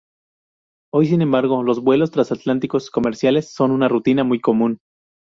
Hoy, sin embargo, los vuelos transatlánticos comerciales son una rutina muy común.